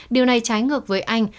điều này trái ngược với anh